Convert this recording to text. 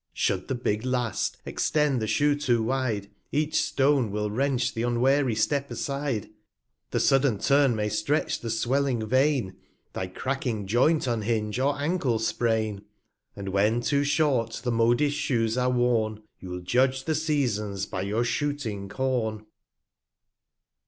Should the big Laste extend the Shoe too wide, 35 Each Stone will wrench th' unwary Step aside : The sudden Turn may stretch the swelling Vein, Thy cracking Joint unhinge, or Ankle sprain ; And when too short the modish Shoes are worn, You'll judge the Seasons by your shooting Corn.